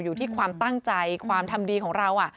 อยู่ที่ความตั้งใจความทำดีของเรา